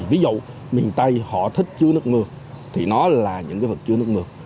ví dụ miền tây họ thích chứa nước mưa thì nó là những vật chứa nước mưa